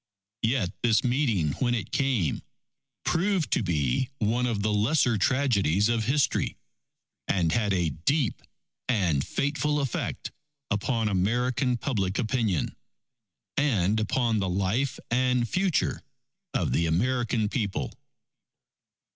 Yet this meeting when it came, proved to be one of the lesser tragedies of history, and had a deep and fateful effect upon American public opinion, and upon the life and future of the American People.